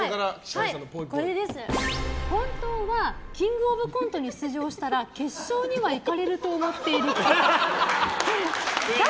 本当は「キングオブコント」に出場したら決勝には行かれると思っているっぽい。